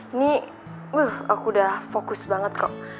ini aku udah fokus banget kok